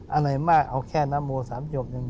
อะไรมากเอาแค่น้ำโม๓จบ